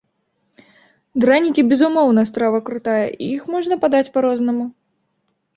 Дранікі, безумоўна, страва крутая, і іх можна падаць па-рознаму.